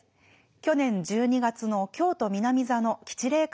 去年１２月の京都南座の吉例顔見世